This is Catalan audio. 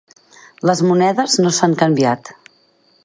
Les monedes no s'han canviat.